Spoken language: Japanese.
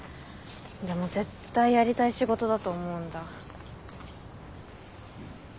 でも絶対やりたい仕事だと思うんだ。